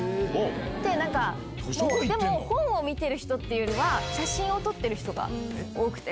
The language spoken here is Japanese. でも本を見てる人っていうよりは写真を撮ってる人が多くて。